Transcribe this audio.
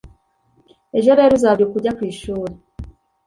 Ejo rero uzabyuka ujya ku ishuri.